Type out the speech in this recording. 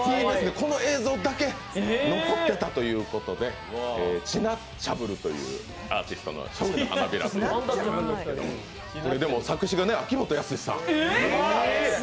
この映像だけ残っていたということでチナッチャブルというアーティストの方の「花びら」というわけだったんですけど作詞が秋元康さん。